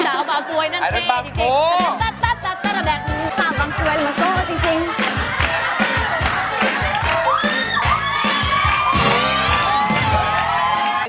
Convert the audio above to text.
ซาวบางกววยอะไรก็จริง